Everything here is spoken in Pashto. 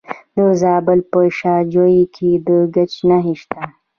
د زابل په شاجوی کې د ګچ نښې شته.